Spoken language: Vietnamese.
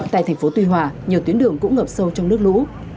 tại thành phố tuy hòa nhiều tuyến đường cũng ngập sâu trong nước lũ